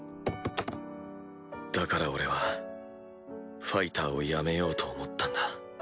だから俺はファイターをやめようと思ったんだ。